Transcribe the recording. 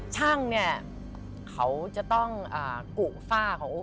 ช่างเนี่ยเขาจะต้องกุฝ้าของโอ๊